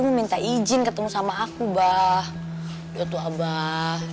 meminta izin ketemu sama aku bah ya tuh abahnya aku mau ikut abah ya aku mau ikut abah ya aku mau